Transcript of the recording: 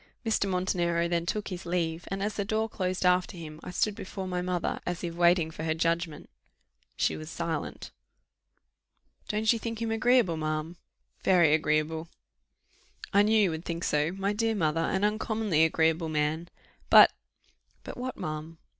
Mr. Montenero then took his leave, and as the door closed after him, I stood before my mother, as if waiting for judgment; she was silent. "Don't you think him agreeable, ma'am?" "Very agreeable." "I knew you would think so, my dear mother; an uncommonly agreeable man." "But " "But what, ma'am?"